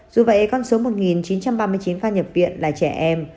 dù vậy con số một chín trăm ba mươi chín ca nhập viện là trẻ em